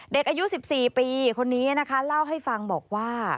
เด็กอายุ๑๔ปีคนนี้นะคะเล่าให้ฟังบอกว่า